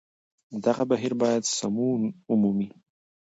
دغه بهير بايد سمون ومومي